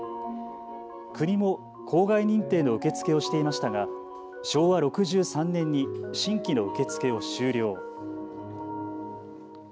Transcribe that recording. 国も公害認定の受け付けをしていましたが昭和６３年に新規の受け付けを終了。